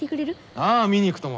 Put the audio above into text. ああ見に行くとも。